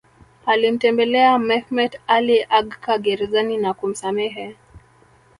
Alimtembelea Mehmet Ali Agca gerezani na kumsamehe